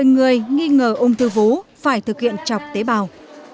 một mươi người nghi ngờ ung thư vú phải thực hiện chọc tế bào